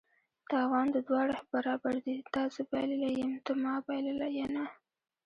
تاوان د دواړه برابر دي: تا زه بایللي یم ته ما بایلله ینه